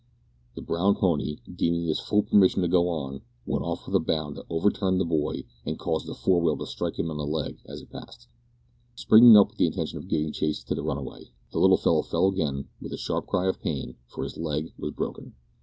The brown pony, deeming this full permission to go on, went off with a bound that overturned the boy, and caused the fore wheel to strike him on the leg as it passed. Springing up with the intention of giving chase to the runaway, the little fellow again fell, with a sharp cry of pain, for his leg was broken.